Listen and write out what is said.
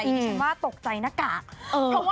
ดีจงว่าตกใจหน้ากาก